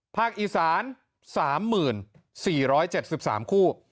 ภาคอีสาน๓๔๗๓คู่